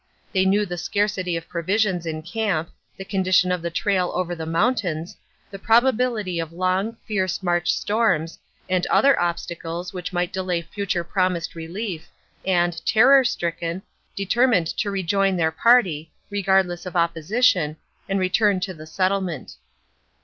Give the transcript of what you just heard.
They knew the scarcity of provisions in camp, the condition of the trail over the mountains, the probability of long, fierce March storms, and other obstacles which might delay future promised relief, and, terror stricken, determined to rejoin their party, regardless of opposition, and return to the settlement.